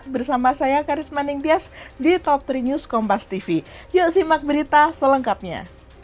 bersama saya karisma ningtyas di top tiga news kompas tv yuk simak berita selengkapnya